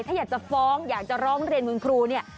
ถ้าอยากจะฟ้องอยากจะร้องเรียนคุณครูเนี่ย